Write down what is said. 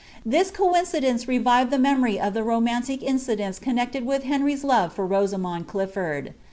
This coincidence rcvivij tlie memory of the romantic inci dents connected wilh Henry's love for Itosainond Cliflord.